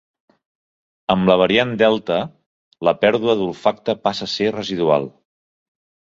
Amb la variant delta, la pèrdua d’olfacte passa a ser residual.